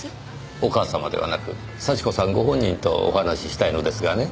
お母様ではなく幸子さんご本人とお話ししたいのですがね。